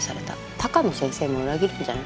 鷹野先生も裏切るんじゃない？